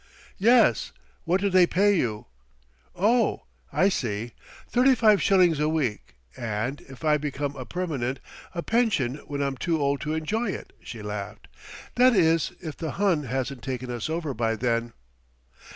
"Yes; what do they pay you?" "Oh! I see. Thirty five shillings a week and, if I become a permanent, a pension when I'm too old to enjoy it," she laughed. "That is if the Hun hasn't taken us over by then."